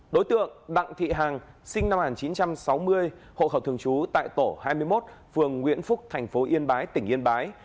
đối tượng đặng thị hàng sinh năm một nghìn chín trăm sáu mươi hộ khẩu thường trú tại tổ hai mươi một phường nguyễn phúc thành phố yên bái tỉnh yên bái